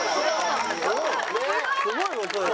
すごい事だよ。